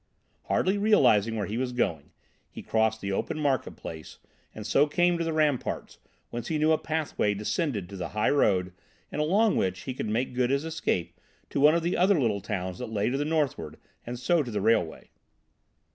Hardly realising where he was going, he crossed the open market place and so came to the ramparts, whence he knew a pathway descended to the high road and along which he could make good his escape to one of the other little towns that lay to the northward, and so to the railway.